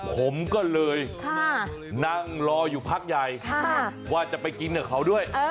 ผมก็เลยนั่งรออยู่พักใหญ่ว่าจะไปกินกับเขาด้วย